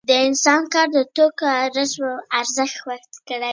د انسان کار دې توکو ته ارزښت ورکړی دی